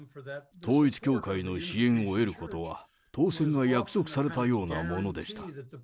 統一教会の支援を得ることは、当選が約束されたようなものでした。